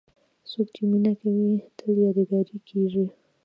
څوک چې مینه کوي، تل یادګاري کېږي.